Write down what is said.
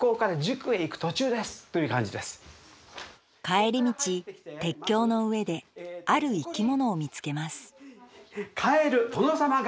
帰り道鉄橋の上である生き物を見つけますカエル！